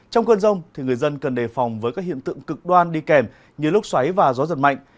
trong cơn rông người dân cần đề phòng với các hiện tượng cực đoan đi kèm như lúc xoáy và gió giật mạnh